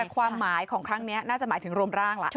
ความหมายของครั้งนี้น่าจะหมายถึงรวมร่างล่ะ